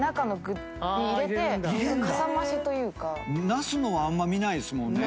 ナスのはあんま見ないですもんね。